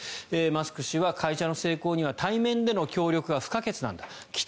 マスク氏は会社の成功には対面での協力が不可欠なんだ来